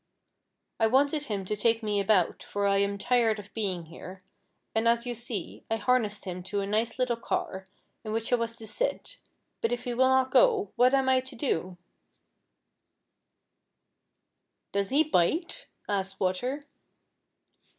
I wanted him to take me about, for I am tired of being here, and as you see, I harnessed him to a nice little car, in which I was to sit, but if he will not go, what am 1 to do ?" "Does he bite V asked Water.